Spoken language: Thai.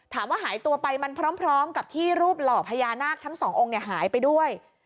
หายตัวไปมันพร้อมกับที่รูปหล่อพญานาคทั้งสององค์หายไปด้วย